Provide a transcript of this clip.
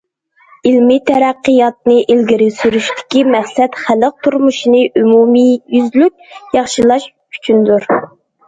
ئىلمىي تەرەققىياتنى ئىلگىرى سۈرۈشتىكى مەقسەت خەلق تۇرمۇشىنى ئومۇميۈزلۈك ياخشىلاش ئۈچۈندۇر.